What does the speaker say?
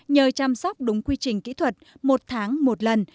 nhờ chăm sóc đúng quy trình kỹ thuật một tháng một lần